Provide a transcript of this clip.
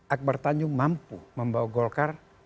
akbar tanjung mampu membawa golkar